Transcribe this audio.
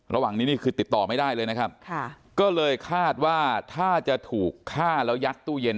ระหว่างนี้นี่คือติดต่อไม่ได้เลยนะครับค่ะก็เลยคาดว่าถ้าจะถูกฆ่าแล้วยัดตู้เย็น